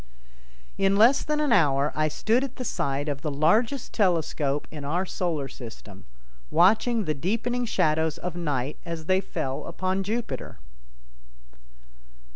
In less than an hour I stood at the side of the largest telescope in our Solar System, watching the deepening shadows of night as they fell upon Jupiter.